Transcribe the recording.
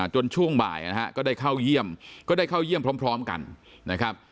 ช่วงบ่ายนะฮะก็ได้เข้าเยี่ยมก็ได้เข้าเยี่ยมพร้อมกันนะครับ